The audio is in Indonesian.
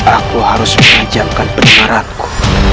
aku harus mengancamkan pendengaranku